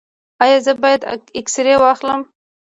ایا زه باید اکسرې واخلم؟